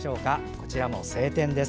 こちらも晴天です。